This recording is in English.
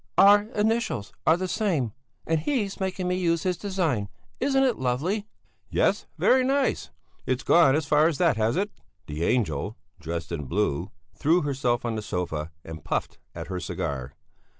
"Our initials are the same and he's making me use his design. Isn't it lovely?" "Yes, very nice. It's gone as far as that, has it?" The angel, dressed in blue, threw herself on the sofa and puffed at her cigar.